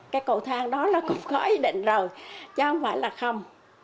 cái cầu thang đó nó cũng có ý định rồi chứ không phải là không